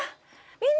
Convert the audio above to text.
みんな！